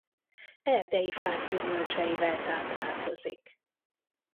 Erdei fák gyümölcseivel táplálkozik.